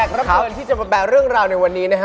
เอาล่ะแขกรำเผินที่จะแบบเรื่องราวในวันนี้นะฮะ